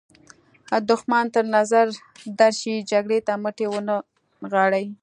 دښمن تر نظر درشي جګړې ته مټې ونه نغاړئ.